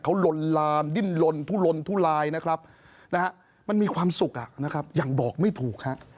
เขาลนลานดิ้นลนทุลนทุลายนะครับมันมีความสุขนะครับยังบอกไม่ถูกฮะ